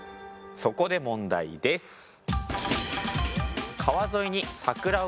そこで問題です。